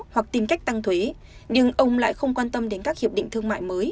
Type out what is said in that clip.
hoặc tìm cách tăng thuế nhưng ông lại không quan tâm đến các hiệp định thương mại mới